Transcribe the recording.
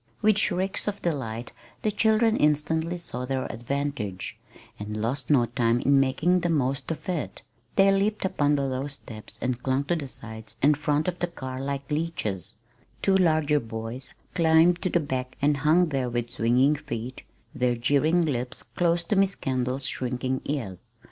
With shrieks of delight the children instantly saw their advantage, and lost no time in making the most of it. They leaped upon the low step and clung to the sides and front of the car like leeches. Two larger boys climbed to the back and hung there with swinging feet, their jeering lips close to Miss Kendall's shrinking ears.